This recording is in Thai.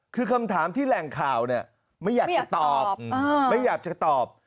คือคำถามที่แหล่งข่าวไม่อยากจะตอบ